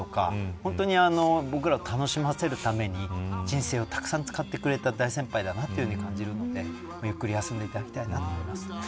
本当に僕らを楽しませるために人生をたくさん使ってくれた大先輩だと感じるのでゆっくり休んでいただきたいと思います。